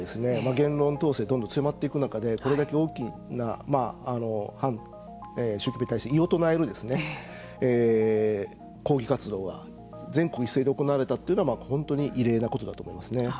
言論統制どんどん強まっていく中でこれだけ大きな反習近平体制に異を唱える抗議活動は全国一斉で行われたというのは本当に異例なことだと思いますね。